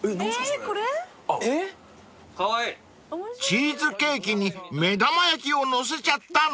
［チーズケーキに目玉焼きを載せちゃったの？］